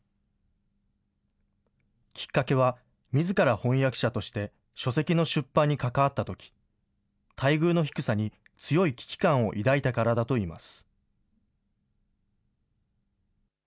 きっかけはみずから翻訳者として書籍の出版に関わったとき、待遇の低さに強い危機感を抱いたからだといいます。